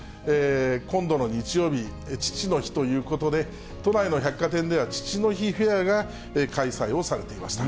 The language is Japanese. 今度の日曜日、父の日ということで、都内の百貨店では、父の日フェアが開催をされていました。